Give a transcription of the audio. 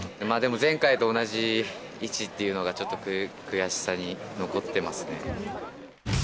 でも前回と同じ位置というのが、ちょっと悔しさに残ってますね。